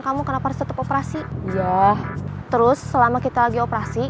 kamu pelajari gimana kalo saya sama deden beraksi